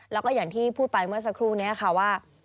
แล้วก็อย่างที่พูดไปเมื่อสักครู่นี้ค่ะว่า